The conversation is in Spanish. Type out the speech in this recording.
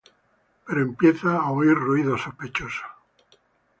Pero empieza a oír ruidos sospechosos.